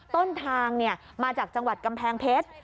ต้นทางมาจากจังหวัดกำแพงเพชร